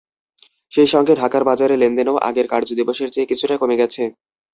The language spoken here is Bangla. সেই সঙ্গে ঢাকার বাজারে লেনদেনও আগের কার্যদিবসের চেয়ে কিছুটা কমে গেছে।